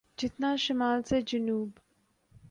جتنا شمال سے جنوب۔